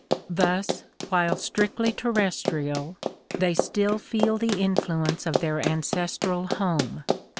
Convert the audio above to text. Thus while strictly terres trial, they still feel the influence of their ancestral home.